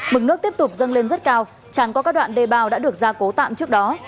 mực nước tiếp tục dâng lên rất cao chẳng có các đoạn đê bào đã được ra cố tạm trước đó